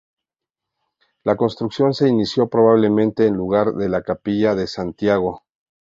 La construcción se inició probablemente en lugar de la capilla de Santiago.